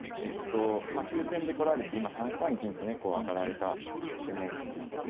急戦で来られて今３三銀とね上がられた局面になってまして。